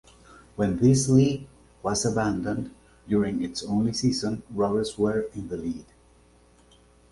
When this league was abandoned during its only season, Rovers were in the lead.